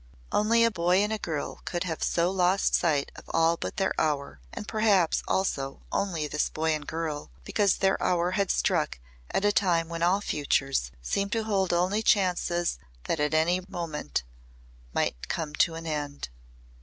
Only a boy and a girl could have so lost sight of all but their hour and perhaps also only this boy and girl, because their hour had struck at a time when all futures seemed to hold only chances that at any moment might come to an end.